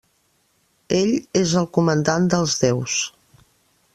Ell és el comandant dels déus.